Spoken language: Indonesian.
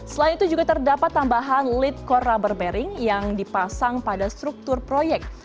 selain itu juga terdapat tambahan lead core rubber bearing yang dipasang pada struktur proyek